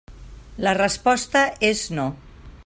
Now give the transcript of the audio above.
La resposta és no.